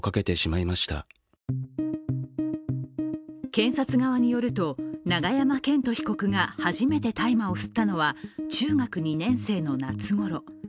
検察側によると、永山絢斗被告が初めて大麻を吸ったのは中学２年生の夏ごろ。